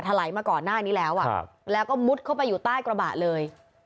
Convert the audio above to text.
ไหลมาก่อนหน้านี้แล้วแล้วก็มุดเข้าไปอยู่ใต้กระบะเลย